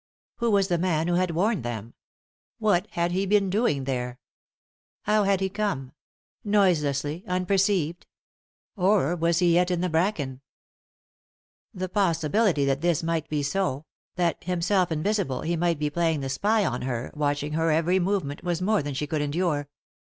Who was the man who had warned them ? What had he been doing there ? How had he come — noiselessly, unperceived ? How long had he been there 1 Had he gone ? Or was he yet in the bracken ? The possibility that this might be so ; that, him self invisible, he might be playing the spy on her, watching her every movement, was more than she could endure.